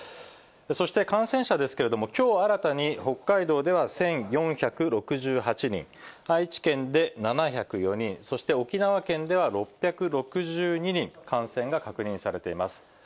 そして感染者ですけれども、きょう新たに北海道では１４６８人、愛知県で７０４人、そして沖縄県では６６２人、感染が確認されています。